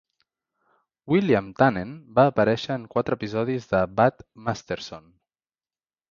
William Tannen va aparèixer en quatre episodis de "Bat Masterson".